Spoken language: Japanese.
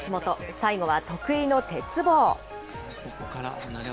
最後は得意の鉄棒。